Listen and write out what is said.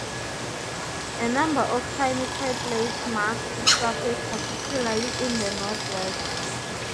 A number of tiny craterlets mark this surface, particularly in the northwest.